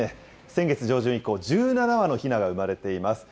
先月上旬以降、１７羽のひなが産まれています。